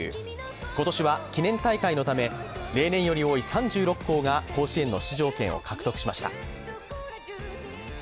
今年は記念大会のため、例年より多い３６校が甲子園の出場権を獲得しました。